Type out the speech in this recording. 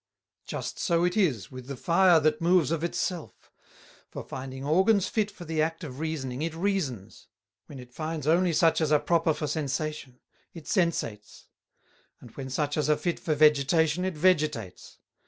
Just so it is with the Fire that moves of it self; for finding Organs fit for the Act of Reasoning, it Reasons; when it finds only such as are proper for Sensation, it Sensates; and when such as are fit for Vegetation, it Vegetates.